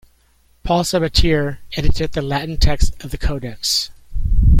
Paul Sabatier edited the Latin text of the codex.